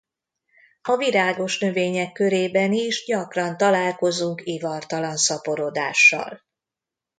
A virágos növények körében is gyakran találkozunk ivartalan szaporodással.